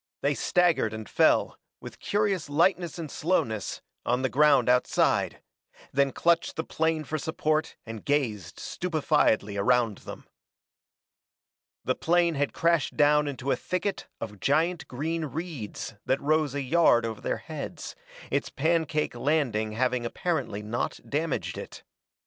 They staggered and fell, with curious lightness and slowness, on the ground outside, then clutched the plane for support and gazed stupefiedly around them. The plane had crashed down into a thicket of giant green reeds that rose a yard over their heads, its pancake landing having apparently not damaged it.